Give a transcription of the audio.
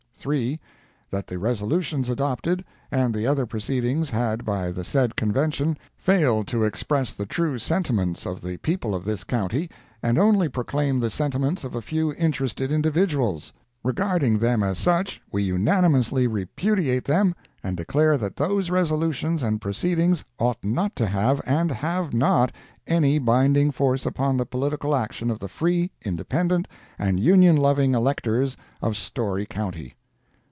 3. That the resolutions adopted, and the other proceedings had by the said Convention, fail to express the true sentiments of the people of this county, and only proclaim the sentiments of a few interested individuals. Regarding them as such, we unanimously repudiate them, and declare that those resolutions and proceedings ought not to have, and have not, any binding force upon the political action of the free, independent and Union loving electors of Storey county.